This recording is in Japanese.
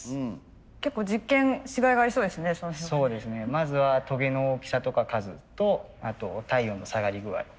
まずはトゲの大きさとか数とあと体温の下がり具合。